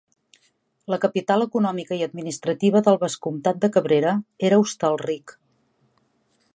La capital econòmica i administrativa del vescomtat de Cabrera era Hostalric.